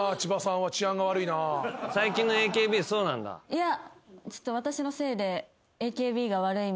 いや。